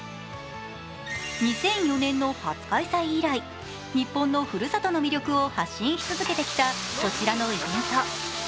２００４年の初開催以来、日本のふるさとの魅力を発信し続けてきたこちらのイベント。